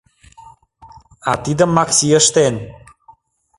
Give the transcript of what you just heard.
А тидым Макси ыштен.